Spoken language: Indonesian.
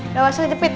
udah alasnya kejepit